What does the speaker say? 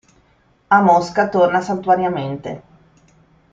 A Mosca torna saltuariamente.